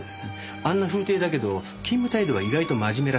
あんな風体だけど勤務態度は意外と真面目らしくて。